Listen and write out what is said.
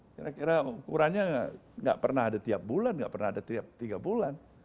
kira kira ukurannya nggak pernah ada tiap bulan nggak pernah ada tiap tiga bulan